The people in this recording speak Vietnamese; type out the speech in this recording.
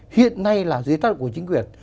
hiện nay là dưới tác động của chính quyền